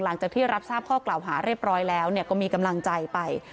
หลังจากที่รับทราบข้อกล่าวหาเรียบร้อยแล้วก็มีกำลังใจไป